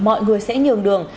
mọi người sẽ nhường đường